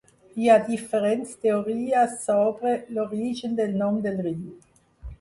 Hi ha diferents teories sobre l'origen del nom del riu.